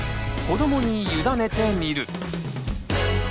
「子どもにゆだねてみる」。